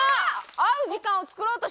「会う時間を作ろうとしない」